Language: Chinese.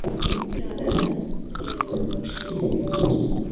教堂始建于何时不得而知。